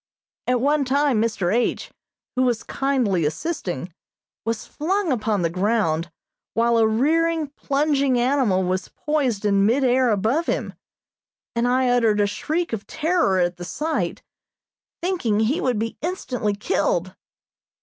At one time Mr. H., who was kindly assisting, was flung upon the ground, while a rearing, plunging animal was poised in mid air above him; and I uttered a shriek of terror at the sight, thinking he would be instantly killed.